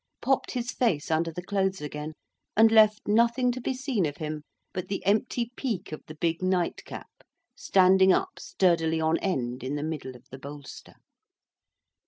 —popped his face under the clothes again—and left nothing to be seen of him but the empty peak of the big nightcap standing up sturdily on end in the middle of the bolster.